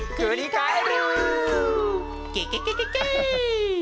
ケケケケケ！